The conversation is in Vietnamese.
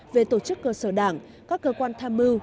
về tổ chức cơ sở đảng các cơ quan tham mưu